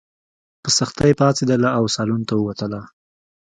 په سختۍ پاڅېدله او سالون ته ووتله.